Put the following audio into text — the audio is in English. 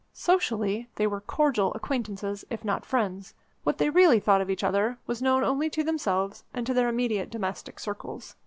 Socially, they were cordial acquaintances, if not friends. What they really thought of each other was known only to themselves and to their immediate domestic circles.